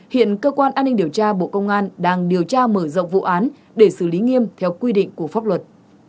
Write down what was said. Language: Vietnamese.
hiện cơ quan an ninh điều tra bộ công an đang điều tra mở rộng vụ án để xử lý nghiêm theo quy định của pháp luật